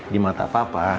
di mata papa